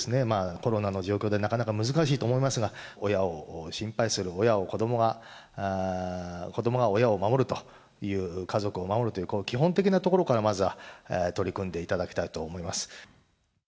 コロナの状況でなかなか難しいと思いますが、親を心配する、親を子どもが、子どもが親を守るという、家族を守るという基本的なところから、まずは取り組んでいただきたいと思います。